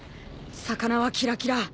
魚は「キラキラ」